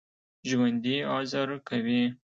ژوندي عذر کوي